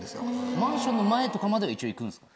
マンションの前とかまでは一応行くんですか？